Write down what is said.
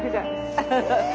アハハッ。